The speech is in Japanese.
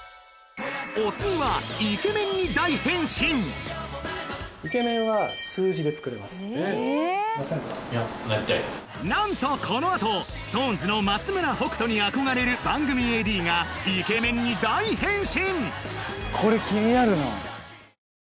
お次は何とこのあとＳｉｘＴＯＮＥＳの松村北斗に憧れる番組ＡＤがイケメンに大変身！